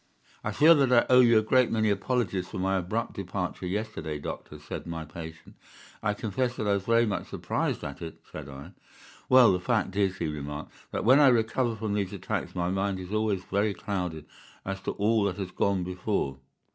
"'I feel that I owe you a great many apologies for my abrupt departure yesterday, doctor,' said my patient. "'I confess that I was very much surprised at it,' said I. "'Well, the fact is,' he remarked, 'that when I recover from these attacks my mind is always very clouded as to all that has gone before.